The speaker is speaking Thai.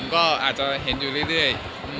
ก็อาจจะเห็นอยู่เรื่อย